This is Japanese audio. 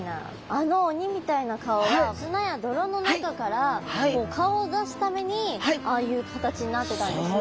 あの鬼みたいな顔は砂や泥の中から顔を出すためにああいう形になってたんですね。